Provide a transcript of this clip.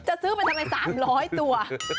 จะซื้อไปทำไม๓๐๐ตัว